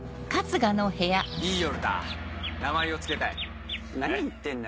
・いい夜だ名前を付けたい・何言ってんだ？